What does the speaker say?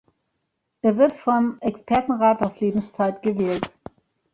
Er wird vom Expertenrat auf Lebenszeit gewählt.